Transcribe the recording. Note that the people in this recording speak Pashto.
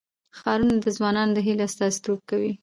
ښارونه د ځوانانو د هیلو استازیتوب کوي.